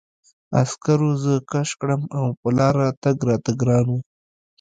عسکرو زه کش کړم او په لاره تګ راته ګران و